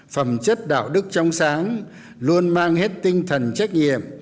phẩm chất đạo đức trong sáng luôn mang hết tinh thần trách nhiệm